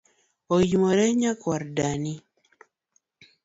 Oimore nyakuar dani